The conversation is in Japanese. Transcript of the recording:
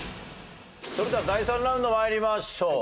それでは第３ラウンド参りましょう。